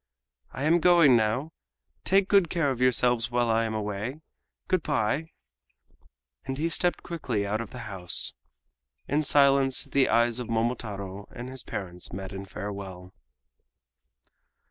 "I am going now. Take good care of yourselves while I am away. Good by!" And he stepped quickly out of the house. In silence the eyes of Momotaro and his parents met in farewell.